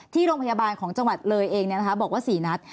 ที่โรงพยาบาลของจังหวัดเลยเองบอกว่า๔นัด